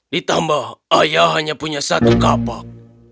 ditambah ayah hanya punya satu kapak